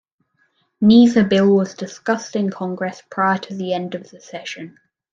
Neither bill was discussed in Congress prior to the end of the session.